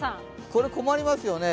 これ、困りますよね。